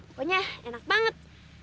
pokoknya enak banget